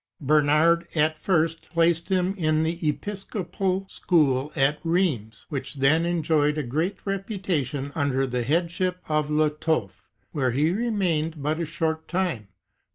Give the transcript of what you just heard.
^ Bernard at first placed him in the episcopal school at Rheims, which then enjoyed a great reputation, under the headship of Lotolf,^ where he remained but a short time.